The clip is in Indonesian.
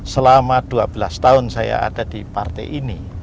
selama dua belas tahun saya ada di partai ini